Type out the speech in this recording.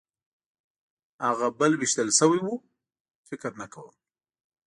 هغه بل وېشتل شوی و؟ فکر نه کوم.